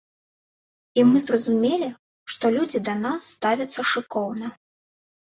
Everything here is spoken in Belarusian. І мы зразумелі, што людзі да нас ставяцца шыкоўна.